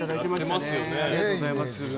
ありがとうございます。